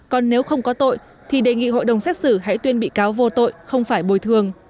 còn nếu không có tội thì đề nghị hội đồng xét xử hãy tuyên bị cáo vô tội không phải bồi thường